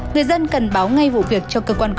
người dân cần báo ngay vụ việc cho cơ quan công an gần nhất